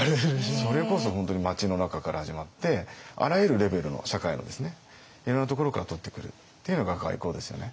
それこそ本当に街の中から始まってあらゆるレベルの社会のいろんなところからとってくるっていうのが外交ですよね。